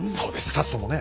２つともね。